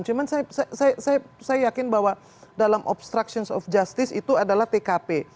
cuma saya yakin bahwa dalam obstruction of justice itu adalah tkp